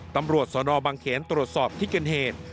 ตำรวจสนบังเขนตรวจสอบที่เกิดเหตุ